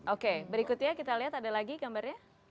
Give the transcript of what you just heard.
oke berikutnya kita lihat ada lagi gambarnya